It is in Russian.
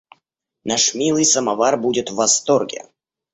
Наш милый самовар будет в восторге.